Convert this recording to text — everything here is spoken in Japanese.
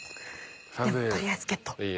でも取りあえずゲット。